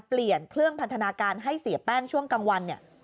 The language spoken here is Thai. เปลี่ยนเครื่องพันธนาการให้เสียแป้งช่วงกลางวันเนี่ย